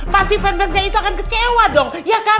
pasti fans fansnya itu akan kecewa dong ya kan